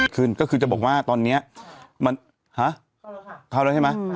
ขึ้นก็คือจะบอกว่าตอนเนี้ยมันฮะเข้าแล้วค่ะเข้าแล้วใช่ไหม